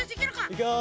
いくよ。